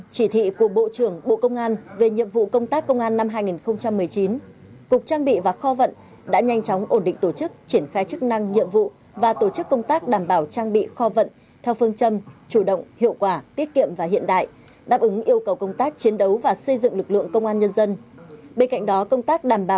công an năm hai nghìn một mươi chín cục trang bị và kho vận đã nhanh chóng ổn định tổ chức triển khai chức năng nhiệm vụ và tổ chức công tác đảm bảo trang bị kho vận theo phương châm chủ động hiệu quả tiết kiệm và hiện đại đáp ứng yêu cầu công tác chiến đấu và xây dựng lực lượng công an nhân dân